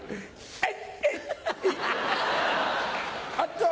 はい。